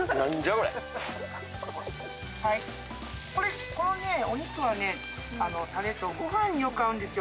これこれこのねお肉はねタレとご飯によく合うんですよ